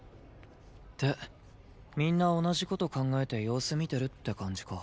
ってみんな同じ事考えて様子見てるって感じか。